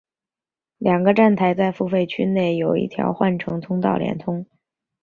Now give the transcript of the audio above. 两个站台在付费区内有一条换乘通道连通。